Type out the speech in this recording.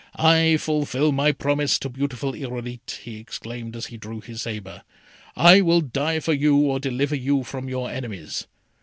"I fulfil my promise, beautiful Irolite," he exclaimed, as he drew his sabre; "I will die for you or deliver you from your enemies!"